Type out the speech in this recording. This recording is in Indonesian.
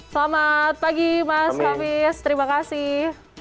selamat pagi mas hafiz terima kasih